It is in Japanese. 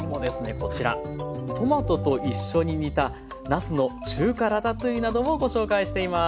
こちらトマトと一緒に煮た「なすの中華ラタトゥイユ」などもご紹介しています。